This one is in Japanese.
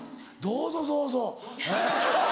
「どうぞどうぞ」！